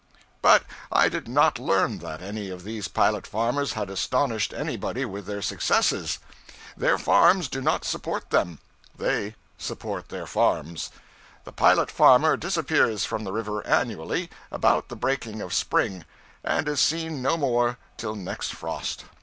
But I did not learn that any of these pilot farmers had astonished anybody with their successes. Their farms do not support them: they support their farms. The pilot farmer disappears from the river annually, about the breaking of spring, and is seen no more till next frost.